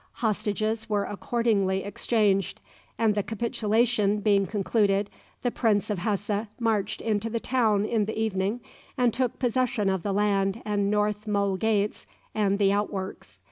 Hostages were accordingly exchanged, and the capitulation being concluded, the Prince of Hesse marched into the town in the evening and took possession of the land and North Mole gates and the outworks.